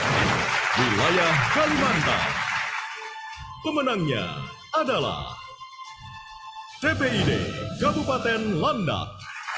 di wilayah kalimantan pemenangnya adalah tpid kabupaten landak